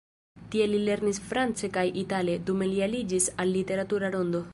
Tie li lernis france kaj itale, dume li aliĝis al literatura rondo.